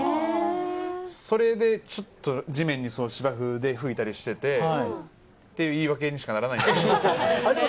それでちょっと地面に、芝生で拭いたりしててっていう言い訳にしかならないんですけれども。